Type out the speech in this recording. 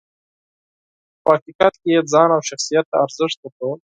خو په حقیقت کې یې ځان او شخصیت ته ارزښت ورکول .